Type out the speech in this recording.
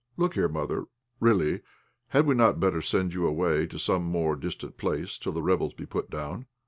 "Look here, mother, really, had we not better send you away to some more distant place till the rebels be put down?"